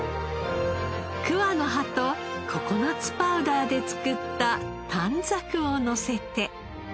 桑の葉とココナッツパウダーで作った短冊をのせて。